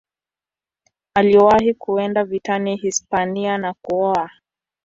Aliwahi kwenda vitani Hispania na kuoa.